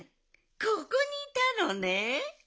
ここにいたのね。